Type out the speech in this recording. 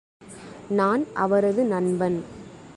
நான் அவரது நண்பன்.